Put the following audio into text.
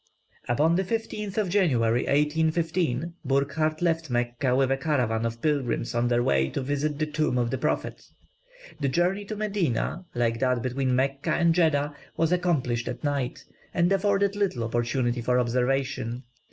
Upon the 15th of January, 1815, Burckhardt left Mecca with a caravan of pilgrims on their way to visit the tomb of the prophet. The journey to Medina, like that between Mecca and Jeddah, was accomplished at night, and afforded little opportunity for observation.